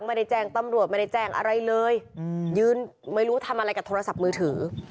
ไม่ได้แจ้งตำรวจไม่ได้แจ้งอะไรเลยยืนไม่รู้ทำอะไรกับโทรศัพท์มือถือ